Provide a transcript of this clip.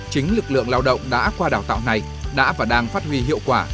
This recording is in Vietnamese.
chính lực lượng lao động đã qua đào tạo này đã và đang phát huy hiệu quả